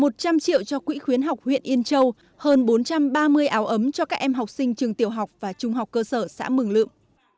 một trăm linh triệu cho quỹ khuyến học huyện yên châu hơn bốn trăm ba mươi áo ấm cho các em học sinh trường tiểu học và trung học cơ sở xã mường lượm